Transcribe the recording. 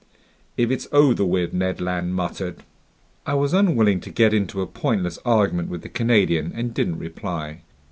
"If it's over with!" Ned Land muttered. I was unwilling to get into a pointless argument with the Canadian and didn't reply.